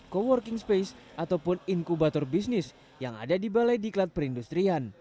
co working space ataupun inkubator bisnis yang ada di balai diklat perindustrian